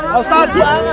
pak ustaz bangun